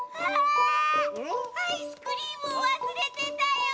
アイスクリームわすれてたよ！